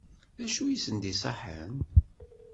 D acu i sent-d-iṣaḥen?